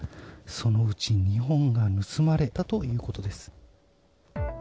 そのうち２本が盗まれたということです。